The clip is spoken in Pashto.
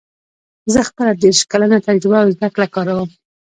زه خپله دېرش کلنه تجربه او زده کړه کاروم